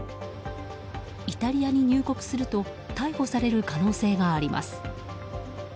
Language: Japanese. イタリアに入国すると逮捕される可能性があります。